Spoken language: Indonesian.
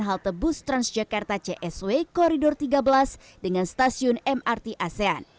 halte bus transjakarta csw koridor tiga belas dengan stasiun mrt asean